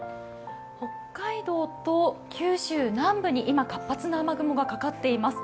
北海道と九州南部に今、活発な雨雲がかかっています。